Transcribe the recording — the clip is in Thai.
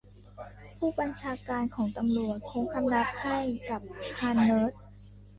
ผู้บัญชาการของตำรวจโค้งคำนับให้กับฮานเนิร์ด